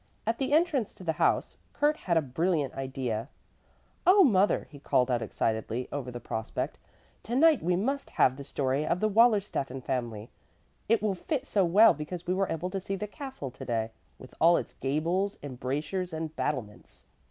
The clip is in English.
At the entrance to the house Kurt had a brilliant idea. "Oh, mother," he called out excitedly over the prospect, "tonight we must have the story of the Wallerstätten family. It will fit so well because we were able to see the castle today, with all its gables, embrasures and battlements."